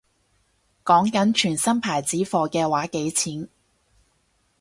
講緊全新牌子貨嘅話幾錢